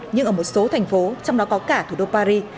nhưng ở một số thành phố trong đó có cả thủ đô paris